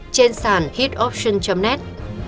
trên sàn hitoption net